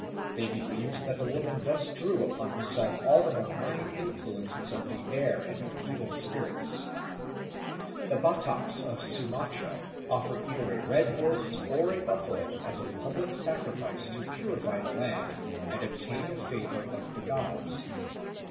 They believed that the woman thus drew upon herself all the malign influences of the air and of evil spirits. The Bataks of Sumatra offer either a red horse or a buffalo as a public sacrifice to purify the land and obtain the favour of the gods.